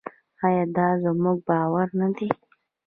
آیا دا زموږ باور نه دی؟